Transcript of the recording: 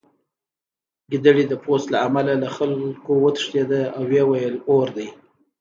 ګیدړې د پوست له امله له خلکو وتښتېده او ویې ویل اور دی